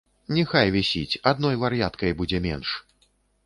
Няхай вісіць, адной вар'яткай будзе менш.